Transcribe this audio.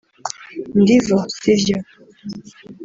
ndivo sivyo